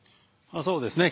そうですね。